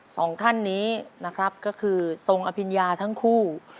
สองท่านนี้นะครับก็คือทรงอภิญญาทั้งคู่